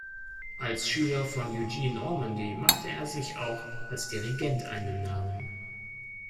Als Schüler von Eugene Ormandy machte er sich auch als Dirigent einen Namen.